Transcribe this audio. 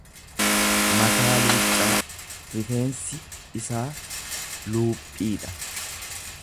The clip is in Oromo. mataa luuccaa; Rifeensi isaa luuphii dha.